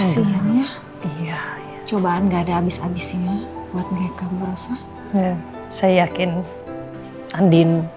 kasih ya iya cobaan enggak ada abis abis ini buat mereka berusaha saya yakin andin